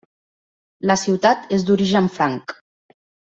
La ciutat és d'origen franc.